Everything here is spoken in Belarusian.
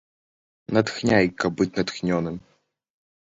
Натхняй, каб быць натхнёным!